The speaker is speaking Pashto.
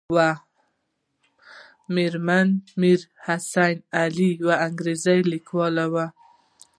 مېرمن میر حسن علي یوه انګریزۍ لیکواله وه.